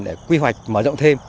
để quy hoạch mở rộng thêm